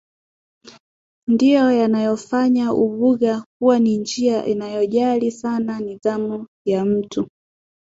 ndiyo yanayofanya Ubuddha kuwa ni njia inayojali sana nidhamu ya mtu